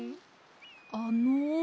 あの。